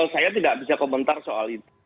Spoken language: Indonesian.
saya tidak bisa komentar soal itu